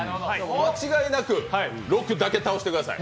間違いなく、６だけ倒してください。